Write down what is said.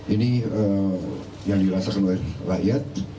ini yang dirasakan oleh rakyat